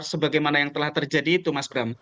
sebagaimana yang telah terjadi itu mas bram